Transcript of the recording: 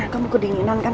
kamu kedinginan kan